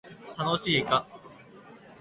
楽しいか